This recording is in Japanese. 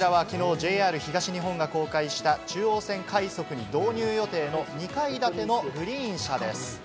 ＪＲ東日本が公開した、中央線快速に導入予定の２階建てのグリーン車です。